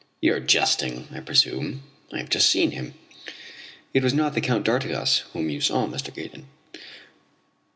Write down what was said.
"You are jesting, I presume; I have just seen him." "It was not the Count d'Artigas whom you saw, Mr. Gaydon."